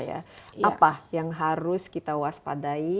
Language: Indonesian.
apa yang harus kita waspadai